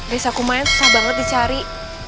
desa kumain susah banget dicari